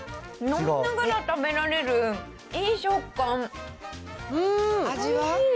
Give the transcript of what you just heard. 飲みながら食べられる、いい食感味は？